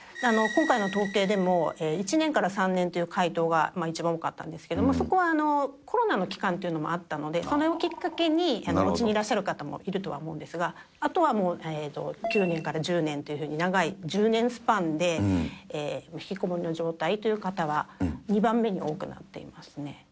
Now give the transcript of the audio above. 今回の統計でも、１年から３年という回答が一番多かったんですけれども、そこはコロナの期間というのもあったので、それをきっかけに、おうちにいらっしゃる方もいるとは思うんですが、あとはもう、９年から１０年というふうに長い、１０年スパンでひきこもりの状態という方は２番目に多くなっていますね。